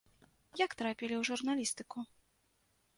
Як трапілі ў журналістыку?